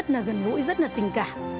rất là gần gũi rất là tình cảm